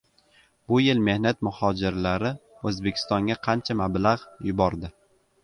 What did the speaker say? Bu yil mehnat muhojirlari O‘zbekistonga qancha mablag‘ yubordi?